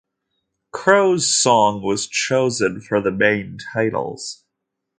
Crow's song was chosen for the main titles.